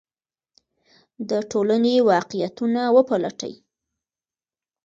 د ټولنې واقعیتونه وپلټئ.